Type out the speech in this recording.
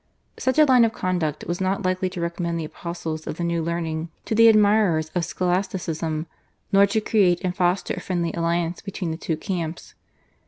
Such a line of conduct was not likely to recommend the apostles of the new learning to the admirers of Scholasticism, nor to create and foster a friendly alliance between the two camps.